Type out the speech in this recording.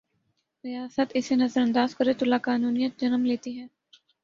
ریاست اسے نظر انداز کرے تولاقانونیت جنم لیتی ہے۔